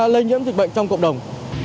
lây nhiễm dịch bệnh trong cộng đồng